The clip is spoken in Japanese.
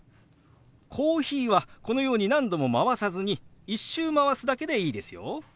「コーヒー」はこのように何度もまわさずに１周まわすだけでいいですよ。